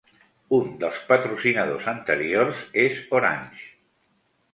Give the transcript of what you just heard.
Un dels patrocinadors anteriors és Orange.